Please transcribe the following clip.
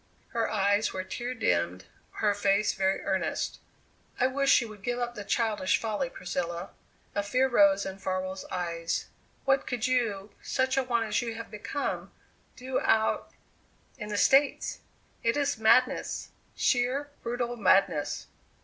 Her eyes were tear dimmed, her face very earnest. "I wish you would give up the childish folly, Priscilla." A fear rose in Farwell's eyes. "What could you, such an one as you have become, do out in the States? It is madness sheer, brutal madness."